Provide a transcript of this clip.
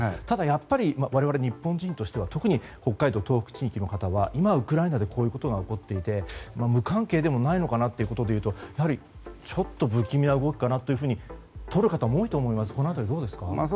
ただ、やっぱり我々日本人としては特に北海道、東北地域の方は今、ウクライナでこういうことが起こっていて無関係でもないのかなということで言うとちょっと不気味な動きかなというふうにとる方も多いと思います。